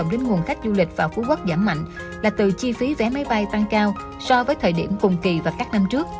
đến nguồn khách du lịch vào phú quốc giảm mạnh là từ chi phí vé máy bay tăng cao so với thời điểm cùng kỳ và các năm trước